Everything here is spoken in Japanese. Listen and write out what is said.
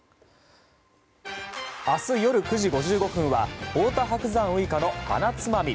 明日夜９時５５分は「太田伯山ウイカのはなつまみ」。